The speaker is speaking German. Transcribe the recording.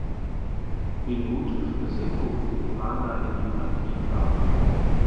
Minute für Seko Fofana in die Partie kam.